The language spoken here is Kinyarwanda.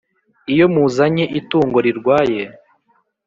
Iyo muzanye itungo rirwaye